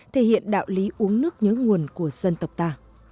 thể hiện đạo lý uống nước nhớ nguồn của dân tộc ta